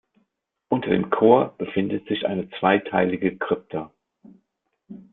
Unter dem Chor befindet sich eine zweiteilige Krypta.